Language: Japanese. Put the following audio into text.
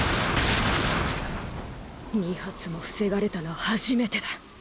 ２発も防がれたの初めてだ。